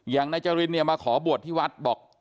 นายจรินเนี่ยมาขอบวชที่วัดบอก